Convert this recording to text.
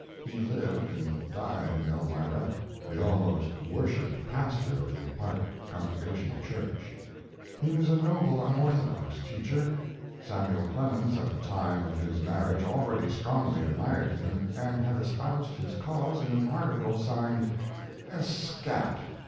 He lived and died in Elmira, the almost worshiped pastor of the Park Congregational Church. He was a noble, unorthodox teacher. Samuel Clemens at the time of his marriage already strongly admired him, and had espoused his cause in an article signed "S'cat!"